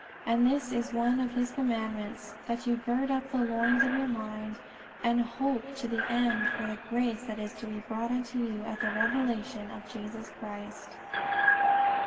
And this is one of His commandments, that you gird up the loins of your mind, and hope to the end for the grace that is to be brought unto you at the revelation of Jesus Christ.